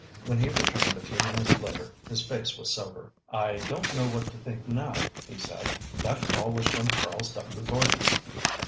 When he returned a few minutes later his face was sober. "I don't know what to think now," he said. "That call was from Charles W. Gordon."